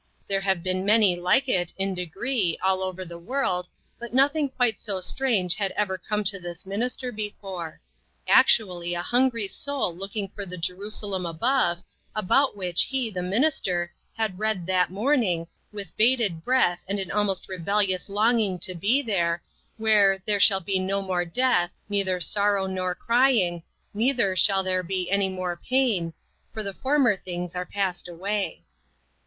There have been many like it, in degree, all over the world, but noth ing quite so strange had ever come to this INTERRUPTED. minister before. Actually a hungry soul looking for the Jerusalem above, about which lie, the minister, had read that morning, with bated breath and an almost rebellious longing to be there, where " there shall be no more death, neither sorrow nor crying, neither shall there be any more pain, for the former things are passed away."